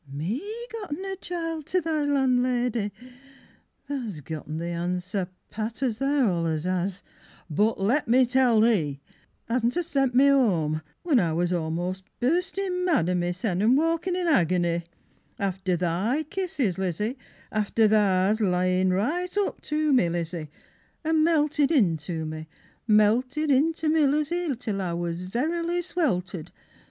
"Me gotten a childt to thy landlady !" Tha's gotten thy answer pat, As tha allers hast but let me tell thee Hasna ter sent me whoam, when I Was a'most burstin' mad o' my sen An' walkin' in agony; After thy kisses, Lizzie, after Tha's lain right up to me Lizzie, an' melted Into me, melted into me, Lizzie, Till I was verily swelted.